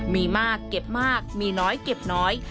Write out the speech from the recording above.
มีมากเก็บมากมีน้อยเก็บน้อย